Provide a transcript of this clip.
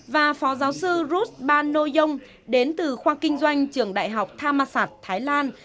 và phó giáo sư ruth ban ngo yong đến từ khoa kinh doanh trường đại học thammasat thái lan